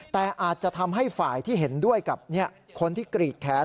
แต่อาจจะทำให้ฝ่ายที่เห็นด้วยกับคนที่กรีดแขน